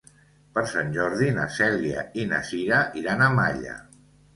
Per Sant Jordi na Cèlia i na Cira iran a Malla.